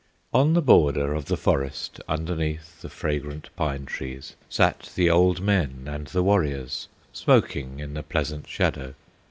On the border of the forest, Underneath the fragrant pine trees, Sat the old men and the warriors Smoking in the pleasant shadow.